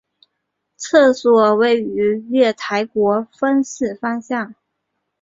厕所位于月台国分寺方向。